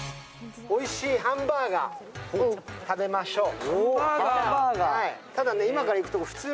おいしいハンバーガーを食べましょう。